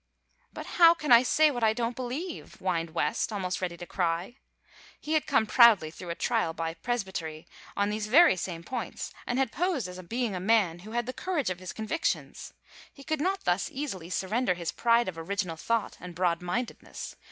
"But how can I say what I don't believe?" whined West, almost ready to cry. He had come proudly through a trial by Presbytery on these very same points, and had posed as being a man who had the courage of his convictions. He could not thus easily surrender his pride of original thought and broad mindedness.